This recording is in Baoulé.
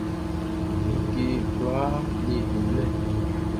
Like kwlaa le i blɛ.